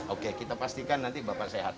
oke kita pastikan nanti bapak sehat